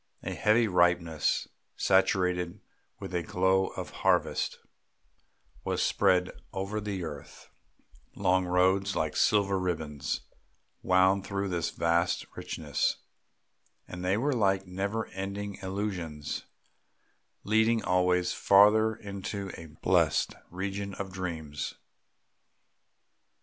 A heavy ripeness saturated with the glow of harvest was spread over the earth; long roads like silver ribbons wound through this vast richness, and they were like never ending illusions, leading always farther into a blessed region of dreams.